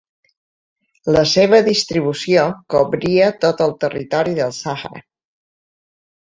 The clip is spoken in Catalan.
La seva distribució cobria tot el territori del Sàhara.